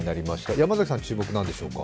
山崎さん、注目何でしょうか。